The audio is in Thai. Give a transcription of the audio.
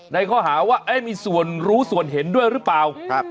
ในข้อหาว่ามีส่วนรู้ส่วนเห็นด้วยหรือเปล่า